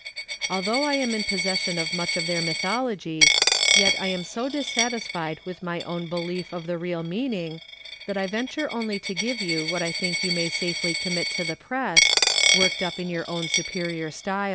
Although I am in possession of much of their mythology, yet I am so dissatisfied with my own belief of the real meaning that I venture only to give you what I think you may safely commit to the press, worked up in your own superior style.